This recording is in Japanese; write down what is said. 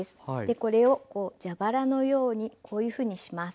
これを蛇腹のようにこういうふうにします。